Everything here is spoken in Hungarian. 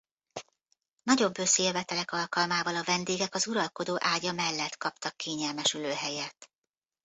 Nagyobb összejövetelek alkalmával a vendégek az uralkodó ágya mellett kaptak kényelmes ülőhelyet.